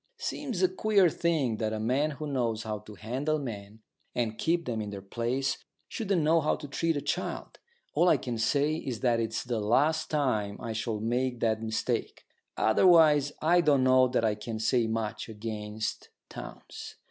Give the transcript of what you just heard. Seems a queer thing that a man who knows how to handle men and keep them in their place shouldn't know how to treat a child. All I can say is that it's the last time I shall make that mistake. Otherwise I don't know that I can say much against Townes.